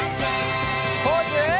ポーズ！